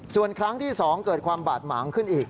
ส่วนครั้งที่๒เกิดความบาดหมางขึ้นอีก